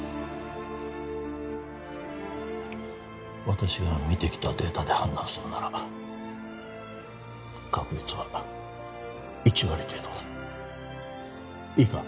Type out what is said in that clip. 私が見てきたデータで判断するなら確率は１割程度だいいか？